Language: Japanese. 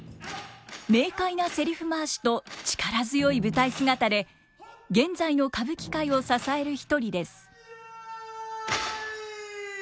明快なせりふ回しと力強い舞台姿で現在の歌舞伎界を支える一人です。